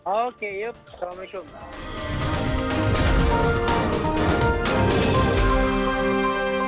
oke yuk assalamualaikum